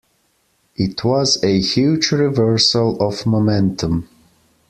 It was a huge reversal of momentum.